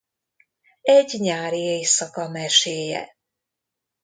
Egy nyári éjszaka meséje.